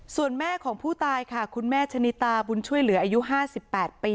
ส่วนแม่ของผู้ตายค่ะคุณแม่ชะนิตาบุญช่วยเหลืออายุ๕๘ปี